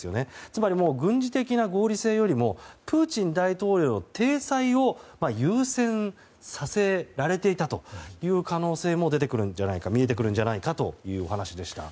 つまり、軍事的な合理性よりもプーチン大統領の体裁を優先させられていたという可能性も見えてくるんじゃないかというお話でした。